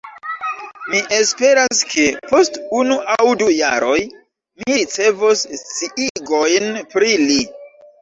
Mi esperas ke, post unu aŭ du jaroj, mi ricevos sciigojn pri li.